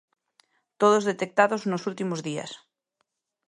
Todos detectados nos últimos días.